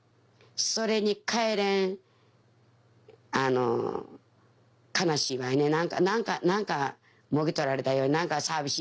それに代えれんあの悲しいわいね何か何かもぎ取られたように何か寂しいねうん。